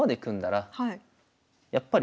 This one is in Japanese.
やっぱり。